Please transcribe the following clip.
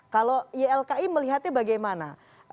kalau ylki melihatnya bagaimana